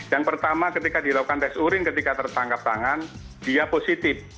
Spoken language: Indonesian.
yang pertama ketika dilakukan tes urin ketika tertangkap tangan dia positif